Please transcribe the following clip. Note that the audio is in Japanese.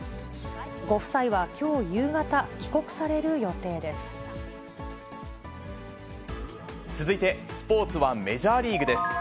ご夫妻はきょう夕方、帰国される続いてスポーツはメジャーリーグです。